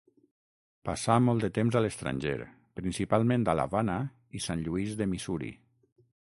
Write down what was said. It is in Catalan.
Passà molt de temps a l'estranger principalment a l'Havana i Sant Lluís de Missouri.